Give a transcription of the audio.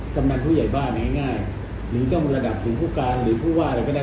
กำนันผู้ใหญ่บ้านง่ายหรือต้องระดับถึงผู้การหรือผู้ว่าอะไรก็ได้